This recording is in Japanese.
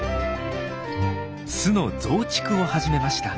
巣の増築を始めました。